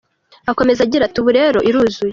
Akomeza agira ati “Ubu rero iruzuye.